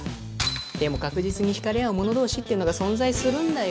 でも確実に惹かれ合う者同士ってのが存在するんだよ